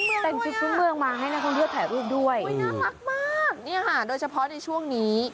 เขาแต่งชุดฟื้นเมืองด้วยอ่ะอือน่ารักมากนี่ฮะโดยเฉพาะในช่วงนี้